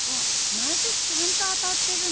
毎年ちゃんと当たってるの？